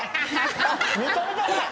めちゃめちゃうまい。